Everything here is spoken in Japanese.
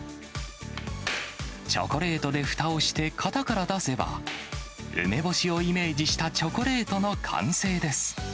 チョコレートでふたをして型から出せば、梅干しをイメージしたチョコレートの完成です。